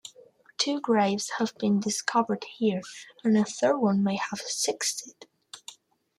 Two graves have been discovered here, and a third one may have existed.